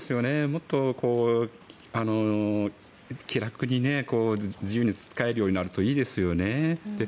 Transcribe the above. もっと気楽に自由に使えるようになるといいですよね。